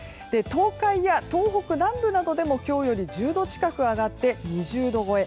東海や東北南部などでも今日より１０度近く上がって２０度超え。